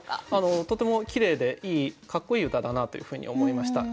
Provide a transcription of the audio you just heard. とてもきれいでかっこいい歌だなというふうに思いました。